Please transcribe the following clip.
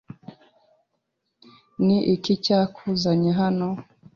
Ni iki cyakuzanye hano?